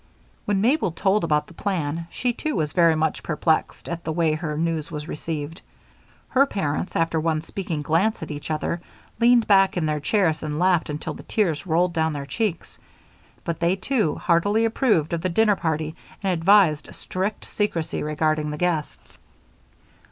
When Mabel told about the plan, she too was very much perplexed at the way her news was received. Her parents, after one speaking glance at each other, leaned back in their chairs and laughed until the tears rolled down their cheeks. But they, too, heartily approved of the dinner party and advised strict secrecy regarding the guests.